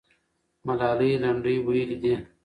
ملالۍ لنډۍ ویلې دي.